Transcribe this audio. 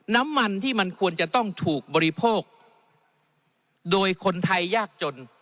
น้ำมันที่มันควรจะต้องถูกบริโภคโดยคนไทยยากจน